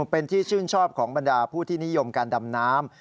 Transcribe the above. เป็นที่ชื่นชอบของบรรดาผู้ที่นิยมการดำน้ำ